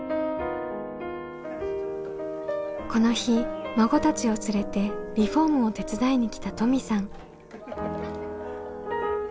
この日孫たちを連れてリフォームを手伝いに来た登美さん。